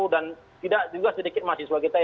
dan tidak juga sedikit mahasiswa kita yang selalu